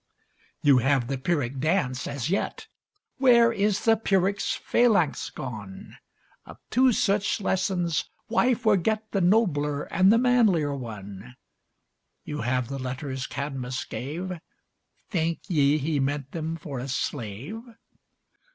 You have the Pyrrhic dance as yet, Where is the Pyrrhic phalanx gone? Of two such lessons, why forget The nobler and the manlier one? You have the letters Cadmus gave Think ye he meant them for a slave?